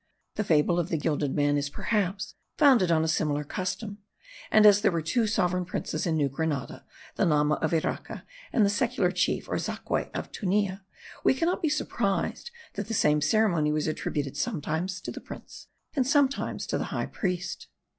The fable of the gilded man is, perhaps, founded on a similar custom; and, as there were two sovereign princes in New Granada, the lama of Iraca and the secular chief or zaque of Tunja, we cannot be surprised that the same ceremony was attributed sometimes to the prince and sometimes to the high priest.